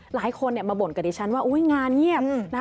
หลายคนมาบ่นกับดิฉันว่างานเงียบ